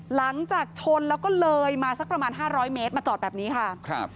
หลังจากชนแล้วก็เลยมาสักประมาณห้าร้อยเมตรมาจอดแบบนี้ค่ะครับ